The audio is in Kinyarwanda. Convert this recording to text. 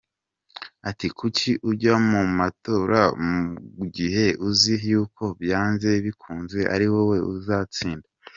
Ati kuki ujya mu matora mu gihe uzi yuko byanze bikunze ari wowe uzatsinda.